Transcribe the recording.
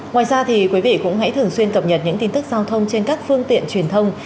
ngoài ra thì quý vị cũng hãy thường xuyên cập nhật những tin tức giao thông trên các phương tiện truyền thông